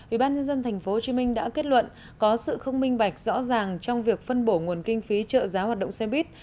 ubnd tp hcm đã kết luận có sự không minh bạch rõ ràng trong việc phân bổ nguồn kinh phí trợ giá hoạt động xe buýt